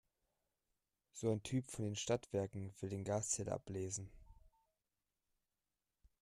So ein Typ von den Stadtwerken will den Gaszähler ablesen.